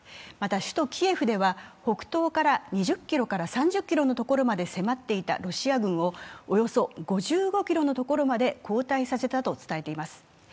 また首都キエフでは北東から２０ｋｍから３０ｋｍのところまで迫っていたロシア軍をおよそ５５ｋｍのところまで後退させたと伝えています。